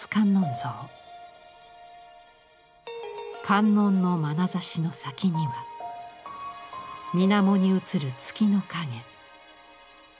観音のまなざしの先には水面に映る月の影。